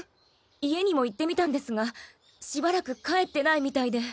家にも行ってみたんですがしばらく帰ってないみたいで。